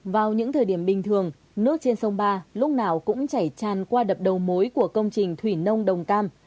vào những thời điểm bình thường nước trên sông ba lúc nào cũng chảy tràn qua đập đầu mối của công trình thủy nông đồng cam